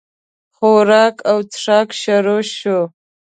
خوراک او چښاک شروع شو.